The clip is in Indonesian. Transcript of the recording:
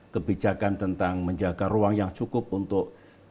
kebijakan tentang menjaga ruang yang cukup untuk